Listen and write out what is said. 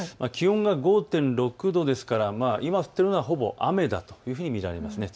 気温が５．６度ですから今降っているのはほぼ雨だというふうに見られます。